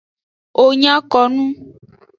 Wo nya ko nu.